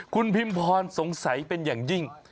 คุณพิมพรสงสัยเป็นอย่างยิ่ง